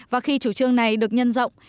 và khi chủ trương này được nhân rộng